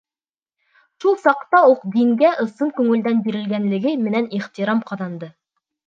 Шул саҡта уҡ ул дингә ысын күңелдән бирелгәнлеге менән ихтирам ҡаҙанды.